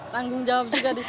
tanggung jawab juga di sini